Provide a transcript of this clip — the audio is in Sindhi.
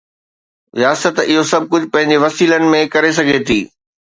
رياست اهو سڀ ڪجهه پنهنجي وسيلن ۾ ڪري سگهي ٿي.